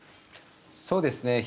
そうですね。